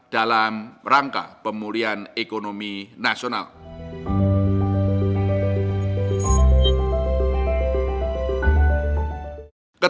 penurunan suku bunga kredit saya